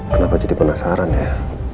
kenapa jadi penasaran ya